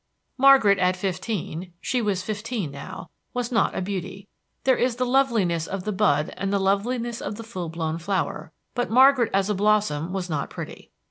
Margaret at fifteen she was fifteen now was not a beauty. There is the loveliness of the bud and the loveliness of the full blown flower; but Margaret as a blossom was not pretty.